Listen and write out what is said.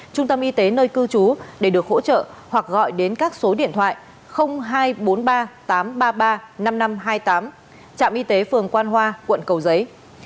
trung tâm y tế nơi cư trú để được hỗ trợ hoặc gọi đến các số điện thoại hai trăm bốn mươi ba tám trăm ba mươi ba năm nghìn năm trăm hai mươi tám trạm y tế phường quan hoa quận cầu giấy